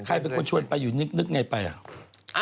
ใครเป็นคนชวนไปอยู่นึกไงไปอ่ะ